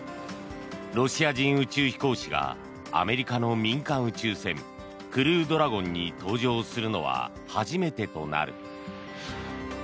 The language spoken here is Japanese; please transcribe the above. ロシア人宇宙飛行士がアメリカの民間宇宙船クルードラゴンに搭乗するのは初めてとなる。